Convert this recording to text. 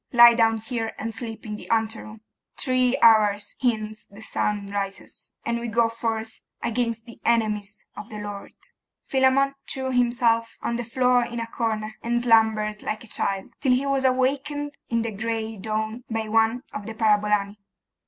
Lie down here and sleep in the anteroom. Three hours hence the sun rises, and we go forth against the enemies of the Lord.' Philammon threw himself on the floor in a corner, and slumbered like a child, till he was awakened in the gray dawn by one of the parabolani.